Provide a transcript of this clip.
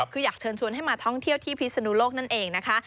คืออยากเชิญชวนให้มาท่องเที่ยวที่พิศนุโลกนั่นเองนะคะ